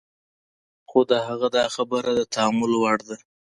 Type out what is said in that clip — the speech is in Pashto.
خو د هغه دا خبره د تأمل وړ ده.